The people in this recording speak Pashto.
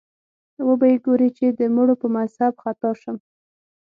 وبه یې ګورې چې د مړو په مذهب خطا شم